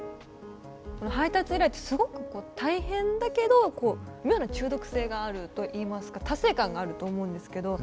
配達依頼ってすごく大変だけどこう妙な中毒性があるといいますか達成感があると思うんですけど。